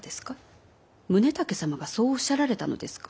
宗武様がそうおっしゃられたのですか？